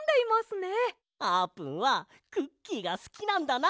あーぷんはクッキーがすきなんだな！